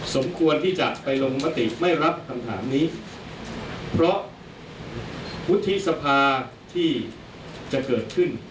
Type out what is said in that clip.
สมควรที่จะไปลงมติไม่รับคำถามนี้เพราะวุฒิสภาที่จะเกิดขึ้น